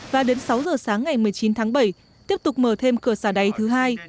và đến sáu giờ sáng ngày một mươi chín tháng bảy tiếp tục mở thêm cửa xả đáy thứ hai